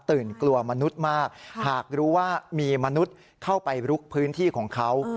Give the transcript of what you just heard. กลัวมนุษย์มากหากรู้ว่ามีมนุษย์เข้าไปลุกพื้นที่ของเขา